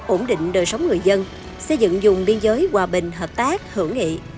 ổn định đời sống người dân xây dựng dùng biên giới hòa bình hợp tác hưởng nghị